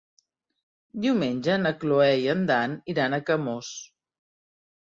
Diumenge na Cloè i en Dan iran a Camós.